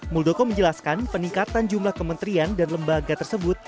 muldoko menjelaskan peningkatan jumlah kementerian dan lembaga tersebut